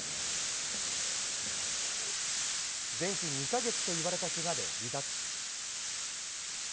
全治２か月といわれたけがで離脱。